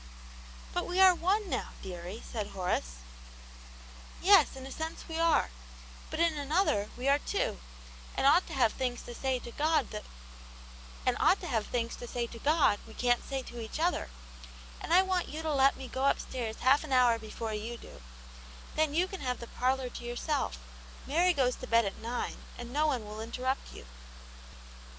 " But we are one now, dearie," said Horace. "Yes, in a sense we are. But in another we are two, and ought to have things to say to God we can't say to each other. And I want you to let me go upstairs half an hour before you do : then you can have the parlour to yourself; Mary goes to bed at nine, and no one will interrupt you."